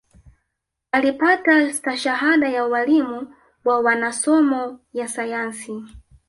Alipata stashahada ya ualimu wa wa nasomo ya sayansi